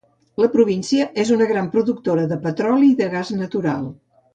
La província és una gran productora de petroli i de gas natural.